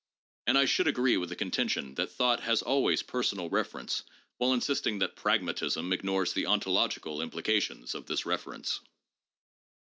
And I should agree with the contention that thought has always personal reference, while insisting that 'pragmatism' ignores the ontological implications of this reference.